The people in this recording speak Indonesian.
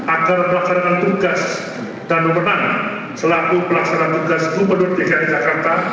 agar melaksanakan tugas dan memenang selaku pelaksana tugas gubernur dki jakarta